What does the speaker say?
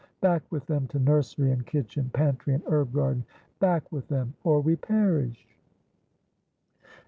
Back with them to nursery and kitchen, pantry and herb garden! Back with them, or we perish."